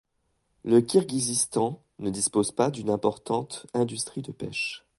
Le Kirghizistan ne dispose pas d'une importante industrie de pêche.